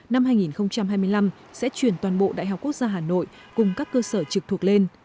năm hai nghìn hai mươi năm sẽ chuyển toàn bộ đại học quốc gia hà nội cùng các cơ sở trực thuộc lên